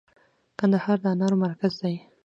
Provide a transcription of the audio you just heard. کندهار د انارو مرکز دی